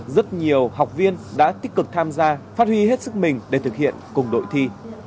rất nhiều học viên đã tích cực tham gia phát huy hết sức mình để thực hiện cùng đội thi